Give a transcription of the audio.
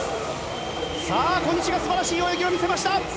小西が素晴らしい泳ぎを見せました。